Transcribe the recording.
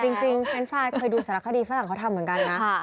แต่จริงฟรานสอรัคดีฝรั่งเค้าทำเหมือนกันนะ